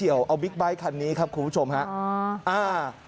เดี๋ยวเอาบิ๊กไบท์คันนี้ครับคุณผู้ชมครับ